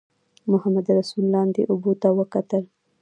محمدرسول لاندې اوبو ته وکتل.